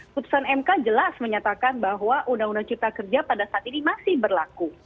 putusan mk jelas menyatakan bahwa undang undang cipta kerja pada saat ini masih berlaku